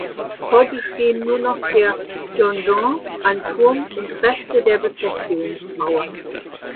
Heute stehen nur noch der Donjon, ein Turm und Reste der Befestigungsmauern.